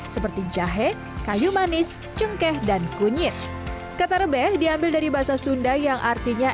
seperti jahe kayu manis cengkeh dan kunyit katarebeh diambil dari bahasa sunda yang artinya